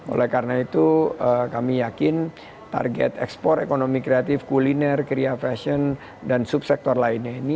oleh karena itu kami yakin target ekspor ekonomi kreatif kuliner kria fashion dan subsektor lainnya ini